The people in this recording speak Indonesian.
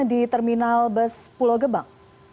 di terminal bus pulau gebang